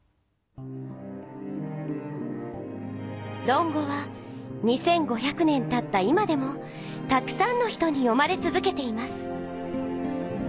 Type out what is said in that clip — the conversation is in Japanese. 「論語」は２，５００年たった今でもたくさんの人に読まれつづけています。